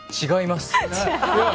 違います。